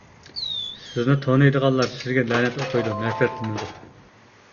سىزنى تونۇيدىغانلار سىزگە لەنەت ئوقۇيدۇ، نەپرەتلىنىدۇ.